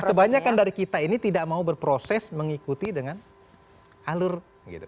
kebanyakan dari kita ini tidak mau berproses mengikuti dengan alur gitu